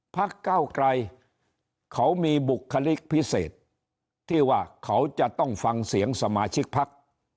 พักเก้าไกรเขามีบุคลิกพิเศษที่ว่าเขาจะต้องฟังเสียงสมาชิกพัก